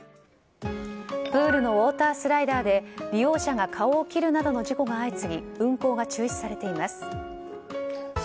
プールのウォータースライダーで利用者が顔を切るなどの事故が相次ぎ運行が中止されています。